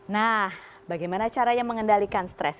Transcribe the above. nah bagaimana caranya mengendalikan stres